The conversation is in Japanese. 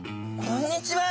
こんにちは！